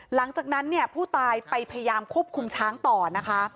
หลังจากนั้นเนี่ยผู้ตายไปพยายามควบคุมช้างต่อนะคะ